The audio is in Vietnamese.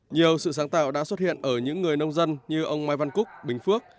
nhiều sự sáng tạo đã xuất hiện ở những người nông dân như ông mai văn cúc bình phước